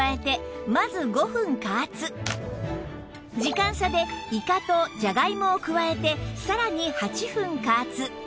時間差でイカとジャガイモを加えてさらに８分加圧